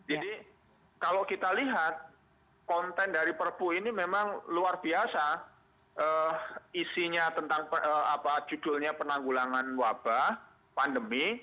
jadi kalau kita lihat konten dari perpu ini memang luar biasa isinya tentang judulnya penanggulangan wabah pandemi